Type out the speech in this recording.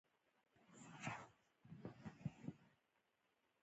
په وېب پاڼو کې مې خپره کړه.